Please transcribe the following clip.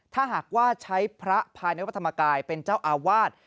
ถ้าหากว่าใช้พระภายในวัดธรรมกายเป็นเจ้าอาวาส